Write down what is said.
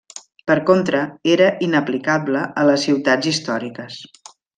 Per contra, era inaplicable a les ciutats històriques.